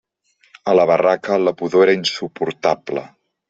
A la barraca la pudor era insuportable.